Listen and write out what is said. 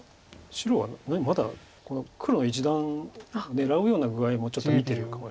白はまだこの黒の一団を狙うような具合もちょっと見てるかもしれないです。